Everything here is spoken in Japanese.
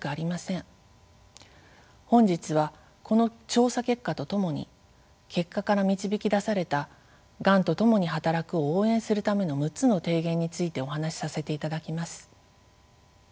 本日はこの調査結果とともに結果から導き出された「がんとともに働く」を応援するための６つの提言についてお話しさせていただきます。